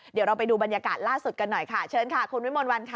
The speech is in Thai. เดี๋ยวเราไปดูบรรยากาศล่าสุดกันหน่อยค่ะเชิญค่ะคุณวิมลวันค่ะ